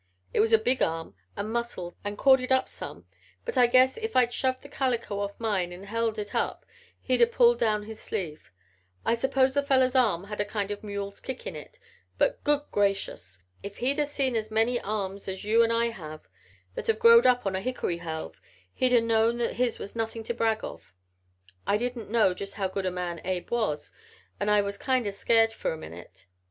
It was a big arm and muscled and corded up some but I guess if I'd shoved the calico off mine and held it up he'd a pulled down his sleeve. I suppose the feller's arm had a kind of a mule's kick in it, but, good gracious! If he'd a seen as many arms as you an' I have that have growed up on a hickory helve he'd a known that his was nothing to brag of. I didn't know just how good a man Abe was and I was kind o' scairt for a minute.